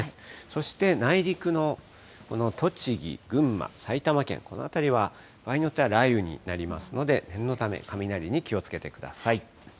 そして内陸の栃木、群馬、埼玉県、この辺りは場合によっては雷雨になりますので、念のため、雷に気をつけてください。